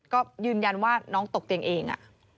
ก็ยืนยันว่าน้องตกเตียงเอง